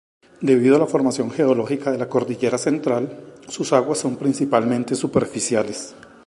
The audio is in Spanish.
Debido a la formación geológica de la Cordillera Central, sus aguas son principalmente superficiales.